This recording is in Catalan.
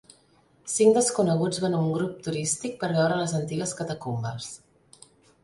Cinc desconeguts van amb un grup turístic per veure les antigues catacumbes.